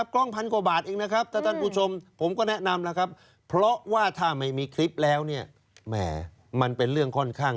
เขายืดยันแล้วว่าไม่จำเป็นจะต้องเป็นกล้องแพง